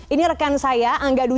ini rekan saya angga dewi putra